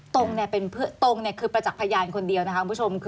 ตรงเนี่ยเป็นเพื่อนตรงเนี่ยคือประจักษ์พยานคนเดียวนะคะคุณผู้ชม